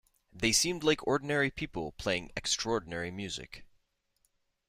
They seemed like ordinary people playing extraordinary music.